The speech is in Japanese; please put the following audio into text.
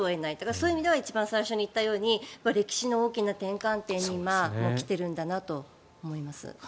そういう意味では一番最初に言ったように歴史の大きな転換点に今、来ているんだなと思います。